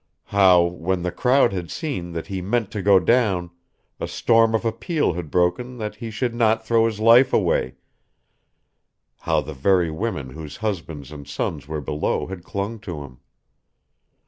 How, when the crowd had seen that he meant to go down, a storm of appeal had broken that he should not throw his life away; how the very women whose husbands and sons were below had clung to him.